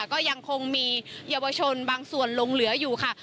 ก็ยังคงมีเยาวชนบางส่วนลงเหลืออยู่ค่ะ